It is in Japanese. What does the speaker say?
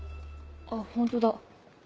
あっホントだ。